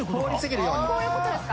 こういうことですか？